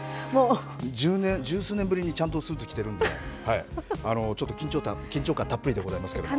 十数年ぶりに、ちゃんとスーツ着てるんで、ちょっと緊張感たっぷりでございますけれども。